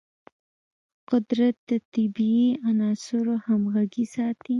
قدرت د طبیعي عناصرو همغږي ساتي.